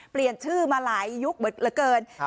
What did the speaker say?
เปลี่ยนชื่อมาหลายยุคเหลือเกิน